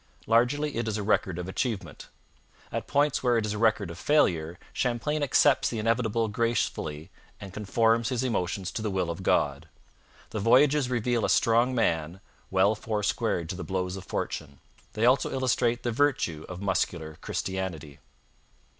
Largely it is a record of achievement. At points where it is a record of failure Champlain accepts the inevitable gracefully and conforms his emotions to the will of God. The Voyages reveal a strong man 'well four squared to the blows of fortune.' They also illustrate the virtue of muscular Christianity.